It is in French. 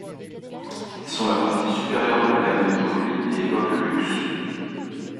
Ils sont la partie supérieure de la gamme de produits et évoquent le luxe.